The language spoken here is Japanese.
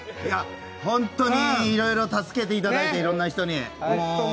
いろいろ助けていただいて、いろんな人に。